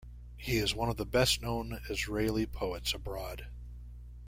He is one of the best known Israeli poets abroad.